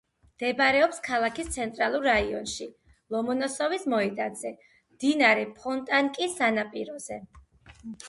მდებარეობს ქალაქის ცენტრალურ რაიონში, ლომონოსოვის მოედანზე, მდინარე ფონტანკის სანაპიროზე.